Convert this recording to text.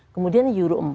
kemudian euro empat